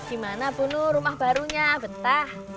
gimana bu nur rumah barunya betah